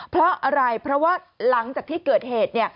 เพราะอะไรเพราะว่าหลังจากที่เกิดเหตุ